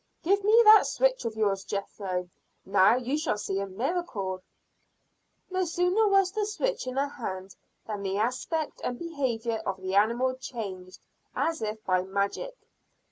"Give me that switch of yours, Jethro. Now, you shall see a miracle." No sooner was the switch in her hand, than the aspect and behavior of the animal changed as if by magic.